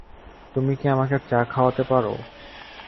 তুমি কি আমাকে চা খাওয়াতে পার?